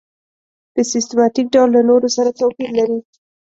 په سیستماتیک ډول له نورو سره توپیر لري.